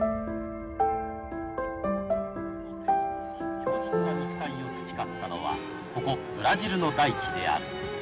強じんな肉体を培ったのはここブラジルの大地である。